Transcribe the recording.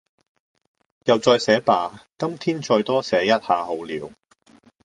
又再寫吧...今天再多寫一下好了